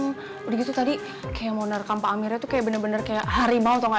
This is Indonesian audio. udah gitu tadi kayak mau narkam pak amirnya tuh kayak bener bener kayak harimau atau gak